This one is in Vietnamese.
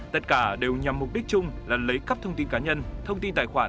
tất cả đều nhằm mục đích chung là lấy cắp thông tin cá nhân thông tin tài khoản